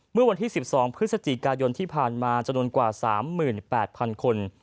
เมื่อวันที่๑๒พฤศจิกายนที่ผ่านมาจำนวนกว่า๓๘๐๐๐คน